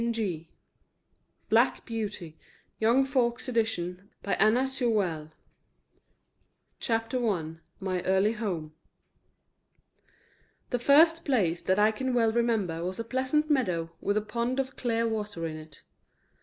zip) BLACK BEAUTY YOUNG FOLKS' EDITION 1902 BLACK BEAUTY CHAPTER I MY EARLY HOME The first place that I can well remember was a pleasant meadow with a pond of clear water in it.